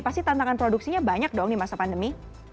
pasti tantangan produksinya banyak dong di masa pandemi